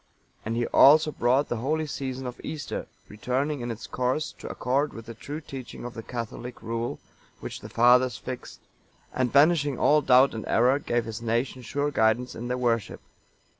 And he also brought the holy season of Easter, returning in its course, to accord with the true teaching of the catholic rule which the Fathers fixed, and, banishing all doubt and error, gave his nation sure guidance in their worship.